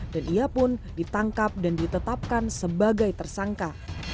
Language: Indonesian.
dan ia pun ditangkap dan ditetapkan sebagai tersangka